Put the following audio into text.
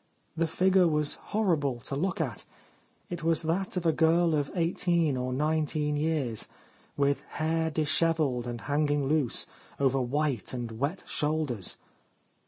The figure was horrible to look at. It was that of a girl of eighteen or nineteen years, with hair dishevelled and hanging loose, over white and wet shoulders.